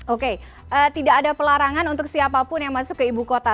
oke tidak ada pelarangan untuk siapapun yang masuk ke ibu kota